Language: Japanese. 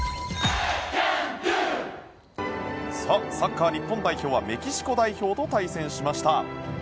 サッカー日本代表はメキシコ代表と対戦しました。